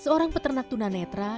seorang peternak tuna netra